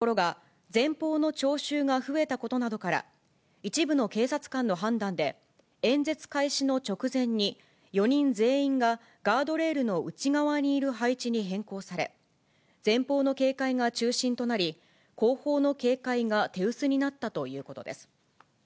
ところが前方の聴衆が増えたことなどから、一部の警察官の判断で、演説開始の直前に、４人全員がガードレールの内側にいる配置に変更され、前方の警戒が中心となり、後方の警戒が手薄になったということです。